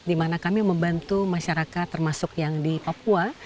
di mana kami membantu masyarakat termasuk yang di papua